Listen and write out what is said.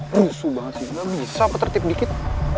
susu banget sih gak bisa petertip dikit